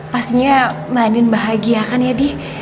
pastinya mbak andin bahagia kan ya di